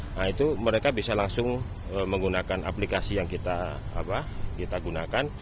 nah itu mereka bisa langsung menggunakan aplikasi yang kita gunakan